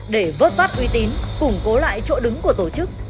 để vớt vát uy tín củng cố lại chỗ đứng của tổ chức